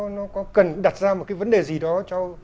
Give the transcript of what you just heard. nó có cần đặt ra một cái vấn đề gì đó cho